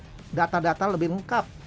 yang menyimpan data data lebih lengkap